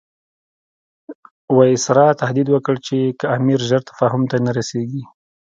وایسرا تهدید وکړ چې که امیر ژر تفاهم ته نه رسیږي.